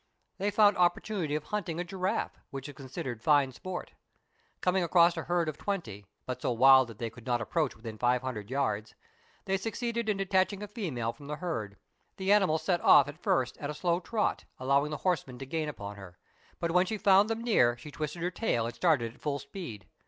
They found opportunity of hunting a giraffe, which is considered fine sport. Coming across a herd of twenty, but so wild that they could not approach within 500 yards, they succeeded in detaching a female from the herd. The animal set off at first at a slow trot, allowing the horsemen to gain upon her ; but when she found them near, she twisted her tail, and started at full speed.